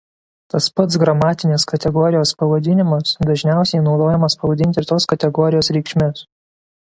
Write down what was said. Tas pats gramatinės kategorijos pavadinimas dažniausiai naudojamas pavadinti ir tos kategorijos reikšmes.